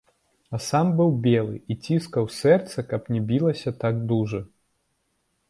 А сам быў белы і ціскаў сэрца, каб не білася так дужа.